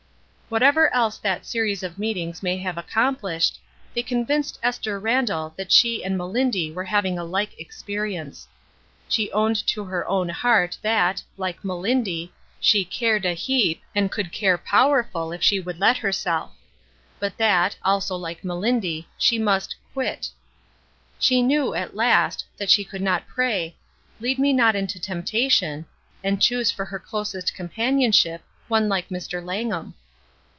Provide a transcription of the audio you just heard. Whatever else that series of meetings may have accomplished, they convinced Esther WHY SHE ^'QUIT'' 311 Randall that she and Melindy were having a like experience. She owned to her own heart that, like Melindy, she '' cared a heap/' and could care "powerful" if she would let herself; but that, also like Melindy, she must ''quit/' She knew, at last, that she could not pray, ''Lead me not into temptation,'' and choose for her closest companionship one hke Mr. Langham.